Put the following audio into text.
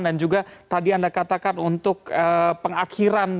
dan juga tadi anda katakan untuk pengakhiran